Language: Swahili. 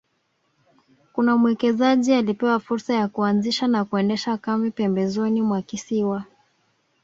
Kuna mwekezaji alipewa fursa ya kuanzisha na kuendesha kambi pembezoni mwa kisiwa